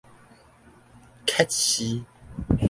揭示